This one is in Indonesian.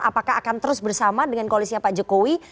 apakah akan terus bersama dengan koalisnya pak jokowi